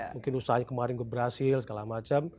mungkin usahanya kemarin berhasil segala macam